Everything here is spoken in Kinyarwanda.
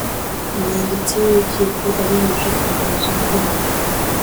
umwanditsi w urukiko abinyujije ku muyobozi wa kane